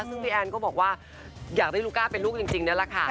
ซึ่งพี่แอนก็บอกว่าอยากได้ลูก้าเป็นลูกจริงนั่นแหละค่ะ